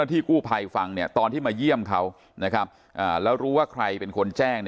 ที่กู้ภัยฟังตอนที่มาเยี่ยมเขาแล้วรู้ว่าใครเป็นคนแจ้ง